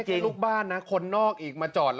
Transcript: ไม่ใช่แค่ลูกบ้านนะคนนอกอีกมาจอด